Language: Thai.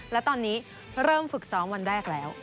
และตอนนี้เริ่มฝึกซ้อมวันแรกแล้ว